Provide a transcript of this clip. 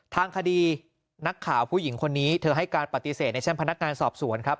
ทางคดีนักข่าวผู้หญิงคนนี้เธอให้การปฏิเสธในชั้นพนักงานสอบสวนครับ